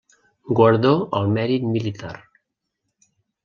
Guardó al Mèrit Militar.